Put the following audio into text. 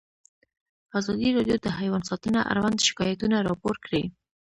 ازادي راډیو د حیوان ساتنه اړوند شکایتونه راپور کړي.